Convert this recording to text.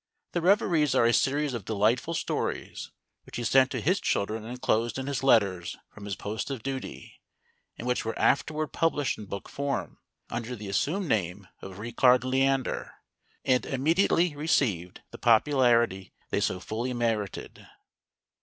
The Reveries are a series of delightful stories which he sent to his children enclosed in his letters from his post of duty, and which were afterward published in book form, under the assumed name of Richard Leander, and immediately received the popularity they so fully merited.